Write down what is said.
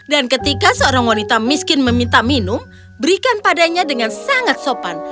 dan ketika seorang wanita miskin meminta minum berikan padanya dengan sangat sopan